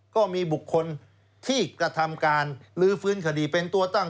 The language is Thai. ก็มีบุคคลที่กระทำการลื้อฟื้นคดีเป็นตัวตั้ง